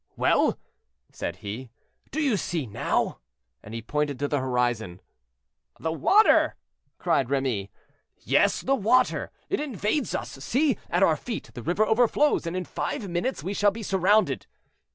"Well," said he, "do you see now?" and he pointed to the horizon. "The water!" cried Remy. "Yes, the water! it invades us; see, at our feet, the river overflows, and in five minutes we shall be surrounded."